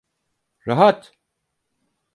Rahat!